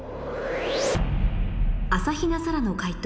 朝比奈沙羅の解答